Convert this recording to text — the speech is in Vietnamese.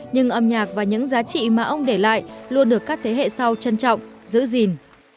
nhưng âm nhạc và những giá trị mà ông để lại luôn được các thế hệ sau trân trọng giữ gìn